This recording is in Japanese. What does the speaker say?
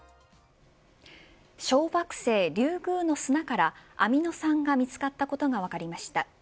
小惑星リュウグウの砂からアミノ酸が見つかったことが分かりました。